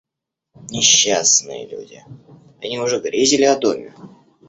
Несчастные люди, они уже грезили о доме.